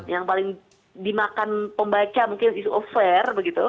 yang paling dimakan pembaca mungkin isu ofer begitu